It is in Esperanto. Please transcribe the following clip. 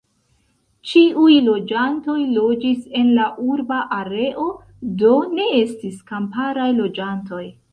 Ĉiuj loĝantoj loĝis en la urba areo, do, ne estis kamparaj loĝantoj.